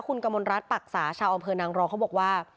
คุณกมลรัฐปรักษาชาวอำเภอนางรองเขาบอกว่า